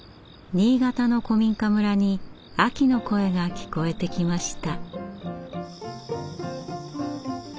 新潟の古民家村に秋の声が聞こえてきました。